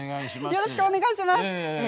よろしくお願いします。